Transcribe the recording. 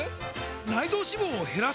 内臓脂肪を減らす！？